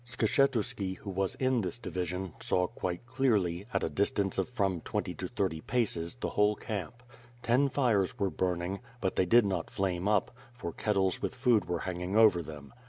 Skshetuski, who was in this division, saw quite clearly, at a distance of from twenty to thirty paces, the whole camp. Ten fires were burning, but they did not flame up, for kettles with food were hanging over them.